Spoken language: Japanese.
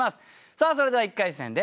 さあそれでは１回戦です。